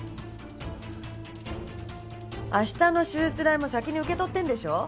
明日の手術代も先に受け取ってるんでしょ？